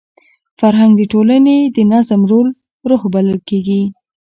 فرهنګ د ټولني د نظم روح بلل کېږي.